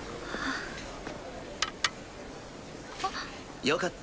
あっ。